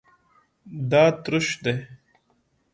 دا تروش دی